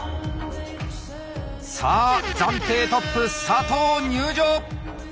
さあ暫定トップ佐藤入場！